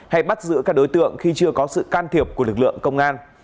hay bắt giữ các đối tượng khi chưa có sự can thiệp của lực lượng công an